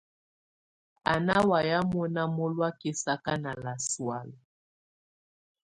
A ná wàya mɔna mɔloɔ̀̀á kɛsaka nà lasɔálɛ̀.